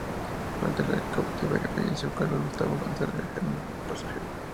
Durante el cautiverio falleció Carlos Gustavo González, uno de los pasajeros.